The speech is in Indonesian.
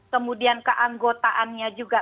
kemudian keanggotaannya juga